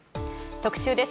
特集です。